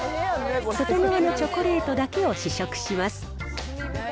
外側のチョコレートだけを試食します。